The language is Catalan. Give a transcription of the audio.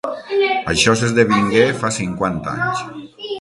Això s'esdevingué fa cinquanta anys.